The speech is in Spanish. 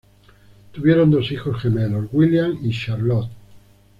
Tuvieron dos hijos gemelos, William y Charlotte.